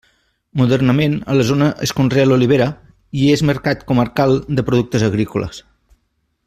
Modernament a la zona es conrea l'olivera i és mercat comarcal de productes agrícoles.